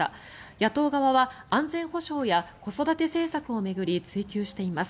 野党側は安全保障や子育て政策を巡り追及しています。